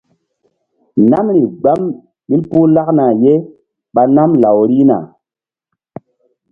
Namri gbam ɓil puh lakna ye ɓa nam law rihna.